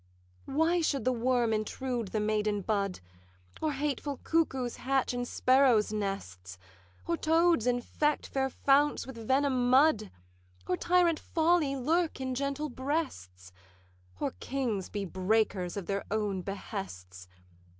'Why should the worm intrude the maiden bud? Or hateful cuckoos hatch in sparrows' nests? Or toads infect fair founts with venom mud? Or tyrant folly lurk in gentle breasts? Or kings be breakers of their own behests?